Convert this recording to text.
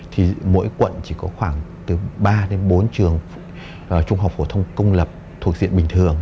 thì mỗi quận chỉ có khoảng từ ba đến bốn trường trung học phổ thông công lập thuộc diện bình thường